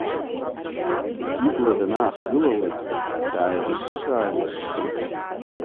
Ибла данаахгылалак, дааилышша-ааилышшон.